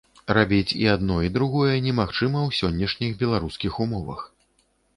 Рабіць адно і другое немагчыма ў сённяшніх беларускіх умовах.